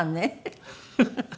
フフフフ！